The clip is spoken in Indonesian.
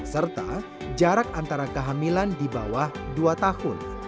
serta jarak antara kehamilan di bawah dua tahun